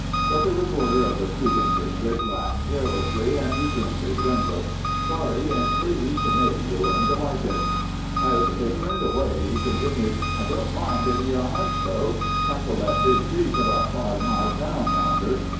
But the recorder of the Skookum District laughed carelessly and resumed his windlass. "Sorry you ain't pleased. Maybe you'll learn to like it." As they turned away he continued: "I don't mind giving you a hunch, though. Tackle that big creek about five miles down yonder.